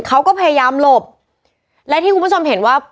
เขาก็พยายามหลบและที่คุณผู้ชมเห็นว่า